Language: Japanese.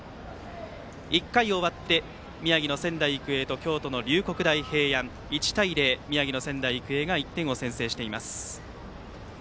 １回終わって、宮城の仙台育英と京都の龍谷大平安１対０、宮城の仙台育英が１点を先制しています。